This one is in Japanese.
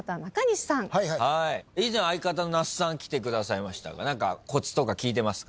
以前相方の那須さん来てくださいましたが何かコツとか聞いてますか？